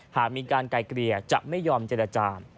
หากมีการไกลเกลี่ยจะไม่ยอมเจรจา